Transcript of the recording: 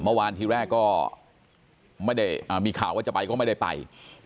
เมื่อวานทีแรกก็ไม่ได้มีข่าวว่าจะไปก็ไม่ได้ไป